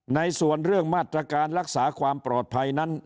ในส่วนเรื่องมาตรการรักษาความปลอดภัยนั้น